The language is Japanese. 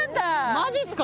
マジっすか？